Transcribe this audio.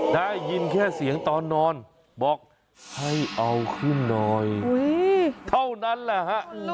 ได้ยินแค่เสียงตอนนอนบอกให้เอาขึ้นหน่อยเท่านั้นแหละฮะ